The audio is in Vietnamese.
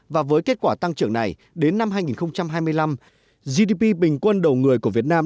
và với kết quả tăng trưởng này đến năm hai nghìn hai mươi năm gdp bình quân đầu người của việt nam